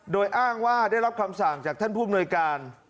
โดยอ้างว่าได้รับคำสั่งจากท่านผู้อำนวยการ